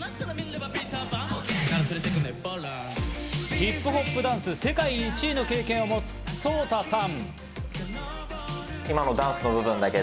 ヒップホップダンス世界１位の経験を持つソウタさん。